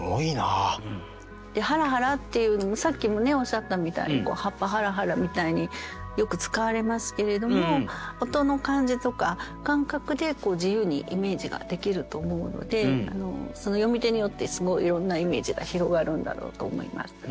「はらはら」っていうのもさっきもおっしゃったみたいに「葉っぱはらはら」みたいによく使われますけれども音の感じとか感覚で自由にイメージができると思うのでその読み手によってすごいいろんなイメージが広がるんだろうと思います。